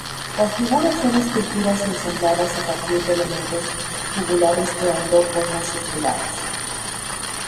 Las figuras son esculpidas y ensambladas a partir de elementos tubulares creando formas circulares.